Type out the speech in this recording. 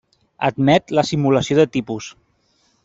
Admet la simulació de tipus.